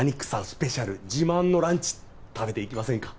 スペシャル自慢のランチ食べていきませんか？